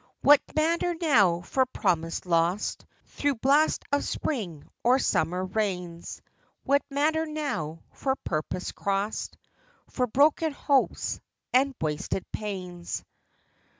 What matter now for promise lost Through blast of spring or summer rains ? What matter now for purpose crossed, For broken hopes, and wasted pains